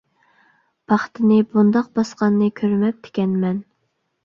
پاختىنى بۇنداق باسقاننى كۆرمەپتىكەنمەن.